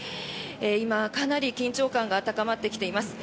今かなり緊張感が高まってきています。